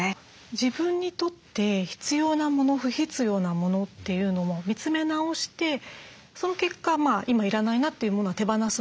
自分にとって必要な物不必要な物というのも見つめ直してその結果今要らないなっていう物は手放すわけじゃないですか。